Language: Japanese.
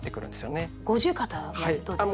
五十肩はどうですか？